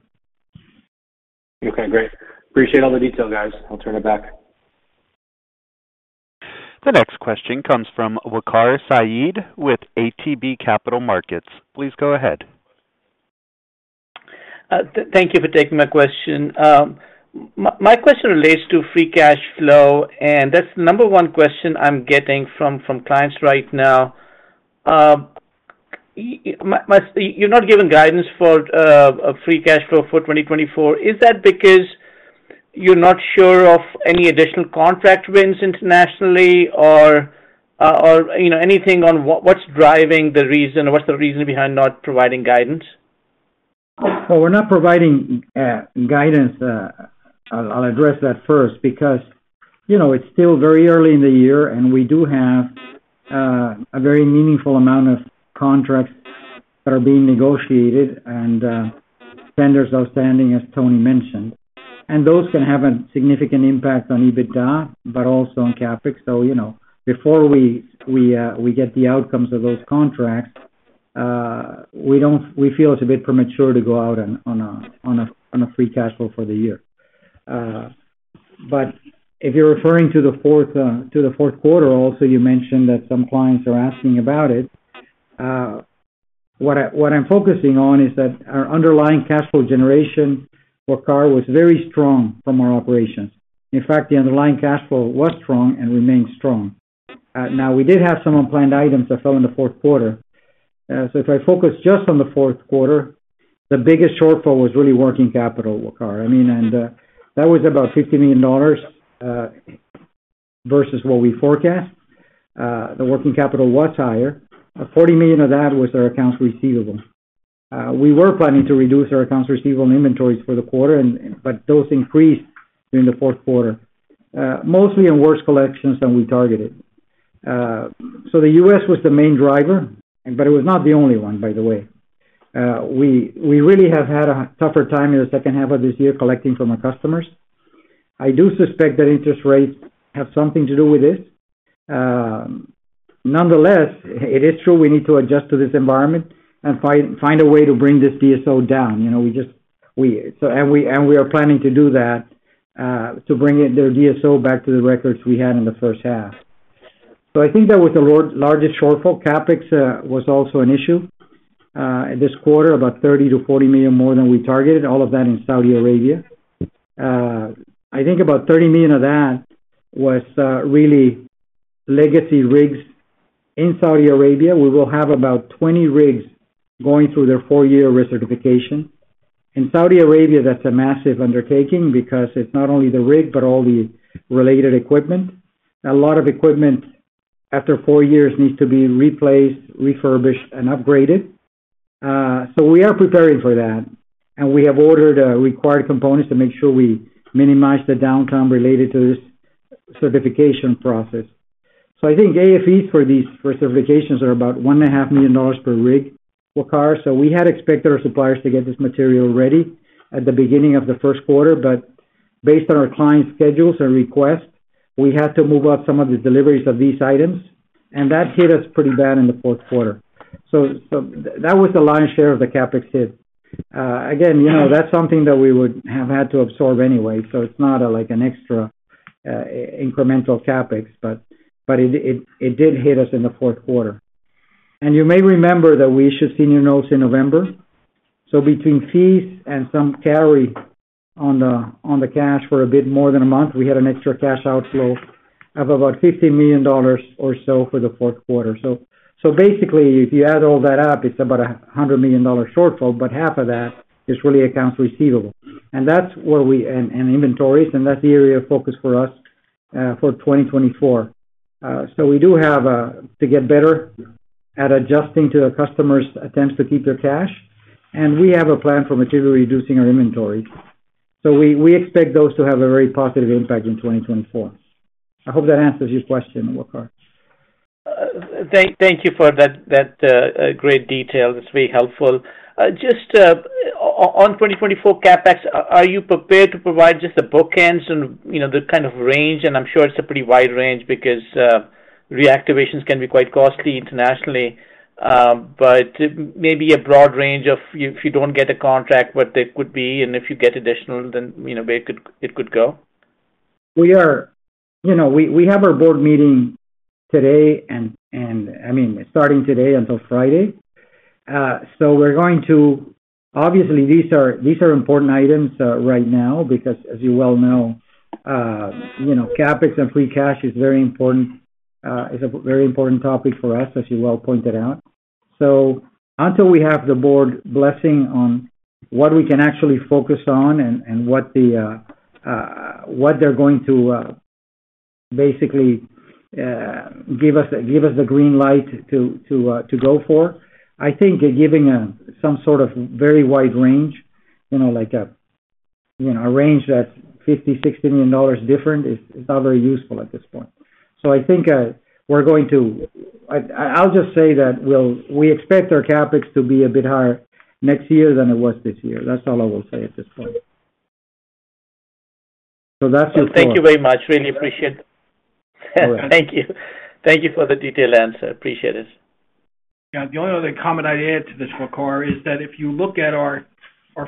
Okay, great. Appreciate all the detail, guys. I'll turn it back. The next question comes from Waqar Syed with ATB Capital Markets. Please go ahead. Thank you for taking my question. My question relates to free cash flow, and that's the number one question I'm getting from clients right now. You're not giving guidance for a free cash flow for 2024. Is that because you're not sure of any additional contract wins internationally or, or, you know, anything on what, what's driving the reason or what's the reason behind not providing guidance? Well, we're not providing guidance. I'll address that first, because, you know, it's still very early in the year, and we do have a very meaningful amount of contracts that are being negotiated and DSOs outstanding, as Tony mentioned. And those can have a significant impact on EBITDA, but also on CapEx. So, you know, before we get the outcomes of those contracts, we don't feel it's a bit premature to go out on a free cash flow for the year. But if you're referring to the fourth quarter, also, you mentioned that some clients are asking about it. What I'm focusing on is that our underlying cash flow generation for Core was very strong from our operations. In fact, the underlying cash flow was strong and remains strong. Now, we did have some unplanned items that fell in the fourth quarter. So if I focus just on the fourth quarter, the biggest shortfall was really working capital, Waqar. I mean, that was about $50 million versus what we forecast. The working capital was higher. $40 million of that was our accounts receivable. We were planning to reduce our accounts receivable and inventories for the quarter and, but those increased during the fourth quarter, mostly in worse collections than we targeted. So the U.S. was the main driver, but it was not the only one, by the way. We really have had a tougher time in the second half of this year collecting from our customers. I do suspect that interest rates have something to do with this. Nonetheless, it is true we need to adjust to this environment and find a way to bring this DSO down. You know, we are planning to do that, to bring the DSO back to the records we had in the first half. So I think that was the largest shortfall. CapEx was also an issue this quarter, about $30 million-$40 million more than we targeted, all of that in Saudi Arabia. I think about $30 million of that was really legacy rigs in Saudi Arabia. We will have about 20 rigs going through their four-year recertification. In Saudi Arabia, that's a massive undertaking because it's not only the rig, but all the related equipment. A lot of equipment, after four years, needs to be replaced, refurbished, and upgraded. So we are preparing for that, and we have ordered required components to make sure we minimize the downtime related to this certification process. So I think the AFEs for these recertifications are about $1.5 million per rig, Waqar. So we had expected our suppliers to get this material ready at the beginning of the first quarter, but based on our client schedules and requests, we had to move up some of the deliveries of these items, and that hit us pretty bad in the fourth quarter. So, so that was the lion's share of the CapEx hit. Again, you know, that's something that we would have had to absorb anyway, so it's not like an extra incremental CapEx, but it did hit us in the fourth quarter. And you may remember that we issued senior notes in November. So between fees and some carry on the cash for a bit more than a month, we had an extra cash outflow of about $50 million or so for the fourth quarter. So basically, if you add all that up, it's about a $100 million shortfall, but half of that is really accounts receivable and inventories, and that's the area of focus for us for 2024. So we do have to get better at adjusting to our customers' attempts to keep their cash, and we have a plan for materially reducing our inventory. So we, we expect those to have a very positive impact in 2024. I hope that answers your question, Waqar. Thank you for that great detail. It's very helpful. Just on 2024 CapEx, are you prepared to provide just the bookends and, you know, the kind of range? And I'm sure it's a pretty wide range because reactivations can be quite costly internationally. But maybe a broad range of if you don't get a contract, what it could be, and if you get additional, then, you know, where it could go. You know, we have our board meeting today, and I mean, starting today until Friday. So we're going to, obviously, these are important items right now, because, as you well know, you know, CapEx and free cash is very important, is a very important topic for us, as you well pointed out. So until we have the board blessing on what we can actually focus on and what they're going to basically give us the green light to go for, I think giving some sort of very wide range, you know, like a you know, a range that's $50 million-$60 million different, is not very useful at this point. So I think, we're going to, I'll just say that we expect our CapEx to be a bit higher next year than it was this year. That's all I will say at this point. So that's just. Thank you very much. Really appreciate it. Thank you. Thank you for the detailed answer. Appreciate it. Yeah. The only other comment I'd add to this, Waqar, is that if you look at our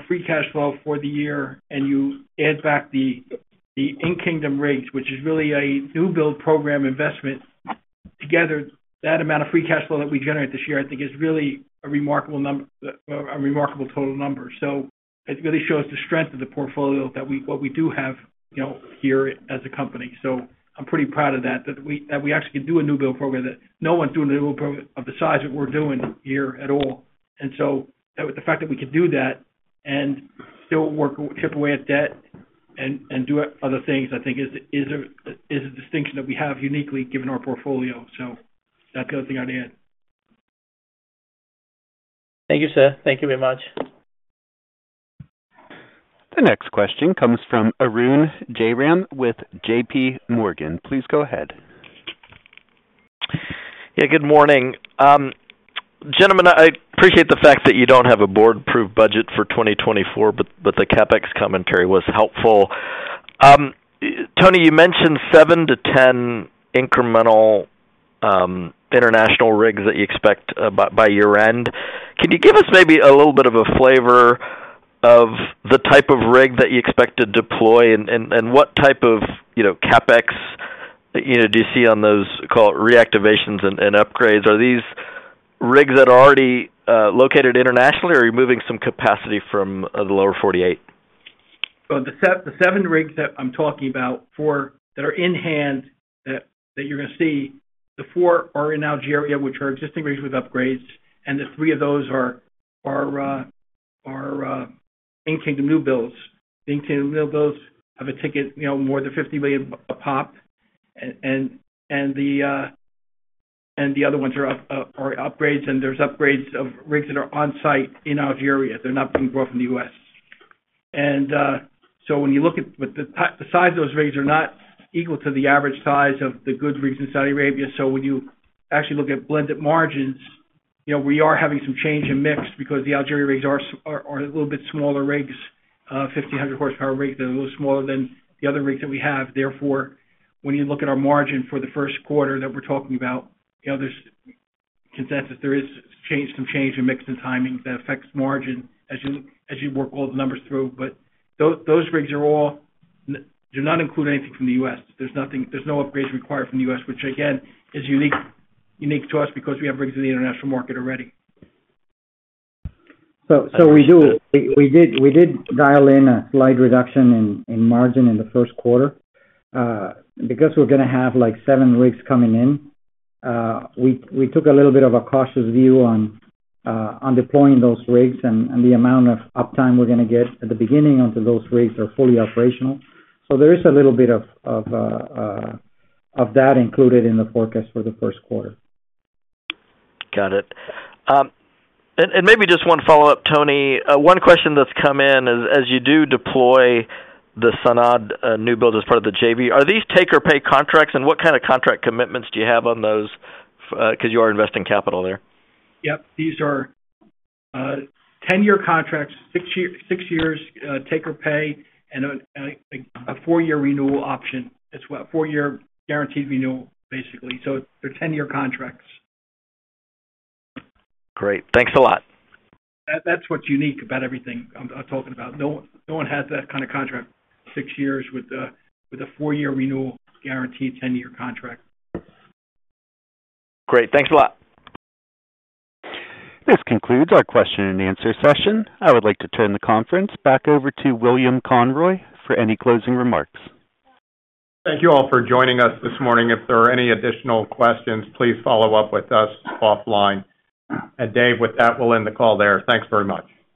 free cash flow for the year, and you add back the In-Kingdom rigs, which is really a newbuild program investment, together, that amount of free cash flow that we generate this year, I think, is really a remarkable number. So it really shows the strength of the portfolio that we what we do have, you know, here as a company. So I'm pretty proud of that, that we actually can do a newbuild program, that no one's doing a newbuild program of the size that we're doing here at all. And so the fact that we could do that and still work, chip away at debt and do other things, I think is a distinction that we have uniquely given our portfolio. So that's the other thing I'd add. Thank you, sir. Thank you very much. The next question comes from Arun Jayaram with JPMorgan. Please go ahead. Yeah, good morning. Gentlemen, I appreciate the fact that you don't have a board-approved budget for 2024, but the CapEx commentary was helpful. Tony, you mentioned seven to 10 incremental international rigs that you expect by year-end. Can you give us maybe a little bit of a flavor of the type of rig that you expect to deploy and what type of, you know, CapEx, you know, do you see on those, call it, reactivations and upgrades? Are these rigs that are already located internationally, or are you moving some capacity from the Lower 48? So the seven rigs that I'm talking about, four that are in hand that you're gonna see, the four are in Algeria, which are existing rigs with upgrades, and the three of those are In-Kingdom newbuilds. The In-Kingdom newbuilds have a ticket, you know, more than $50 million a pop. And the other ones are upgrades, and there's upgrades of rigs that are on site in Algeria. They're not being brought from the U.S. And so when you look at, but the size of those rigs are not equal to the average size of the good rigs in Saudi Arabia. So when you actually look at blended margins, you know, we are having some change in mix because the Algeria rigs are a little bit smaller rigs, 1,500 hp rigs. They're a little smaller than the other rigs that we have. Therefore, when you look at our margin for the first quarter that we're talking about, you know, there's consensus there is change, some change in mix and timing that affects margin as you work all the numbers through. But those rigs do not include anything from the U.S. There's no upgrades required from the U.S., which again is unique to us because we have rigs in the international market already. So we do. We did dial in a slight reduction in margin in the first quarter. Because we're gonna have, like, seven rigs coming in, we took a little bit of a cautious view on deploying those rigs and the amount of uptime we're gonna get at the beginning until those rigs are fully operational. So there is a little bit of that included in the forecast for the first quarter. Got it. And maybe just one follow-up, Tony. One question that's come in, as you do deploy the SANAD newbuild as part of the JV, are these take or pay contracts, and what kind of contract commitments do you have on those, because you are investing capital there? Yep. These are 10-year contracts, six years, take or pay, and a four-year renewal option as well. four-year guaranteed renewal, basically. So they're 10-year contracts. Great. Thanks a lot. That, that's what's unique about everything I'm talking about. No one, no one has that kind of contract, six years with a four-year renewal, guaranteed 10-year contract. Great. Thanks a lot. This concludes our question and answer session. I would like to turn the conference back over to William Conroy for any closing remarks. Thank you all for joining us this morning. If there are any additional questions, please follow up with us offline. Dave, with that, we'll end the call there. Thanks very much.